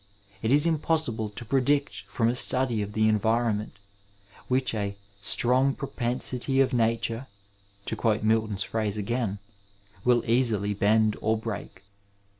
It is impossible to predict from a study of the environment, which a '* strong pro pensity of nature," to quote Milton's phrase again, wiD easily bend or break.